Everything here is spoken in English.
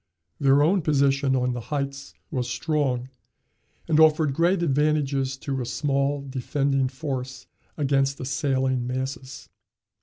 Their own position on the heights was strong and offered great advantages to a small defending force against assailing masses.